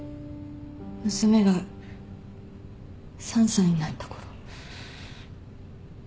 娘が３歳になった頃。